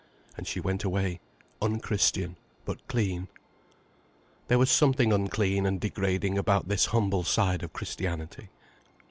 And she went away, unchristian but clean. There was something unclean and degrading about this humble side of Christianity.